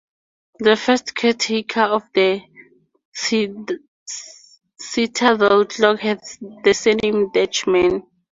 The first caretaker of the Citadel Clock had the surname Dechman.